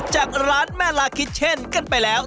จากร้านแม่ลาคิชเช่นกันไปแล้ว